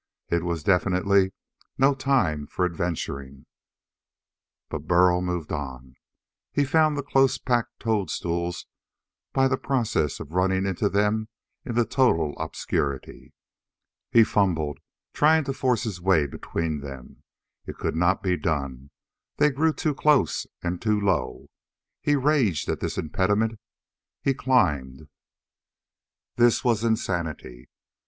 It was definitely no time for adventuring. Burl moved on. He found the close packed toadstools by the process of running into them in the total obscurity. He fumbled, trying to force his way between them. It could not be done; they grew too close and too low. He raged at this impediment. He climbed. This was insanity.